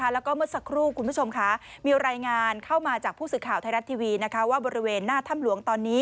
และเมื่อสักครู่คุณผู้ชมมีรายงานเข้ามาจากผู้สึกข่าวบริเวณหน้าถ้ำหลวง